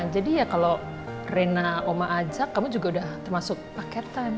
jadi ya kalo reina oma ajak kamu juga udah termasuk paketan